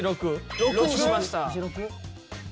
６にしました。